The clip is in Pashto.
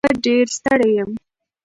زه ډېر ستړی یم.